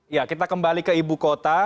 ya kita kembali ke ibu kota